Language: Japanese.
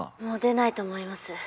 もう出ないと思います。